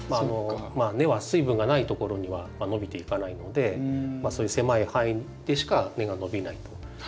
根は水分がないところには伸びていかないのでそういう狭い範囲でしか根が伸びないと。